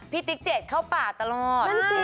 พี่ติ๊กเจ็ดเข้าป่าตลอด